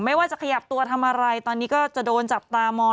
ว่าจะขยับตัวทำอะไรตอนนี้ก็จะโดนจับตามอง